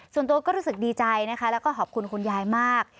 ส่วนตัวก็รู้สึกดีใจนะคะแล้วก็ขอบคุณคุณยายมาก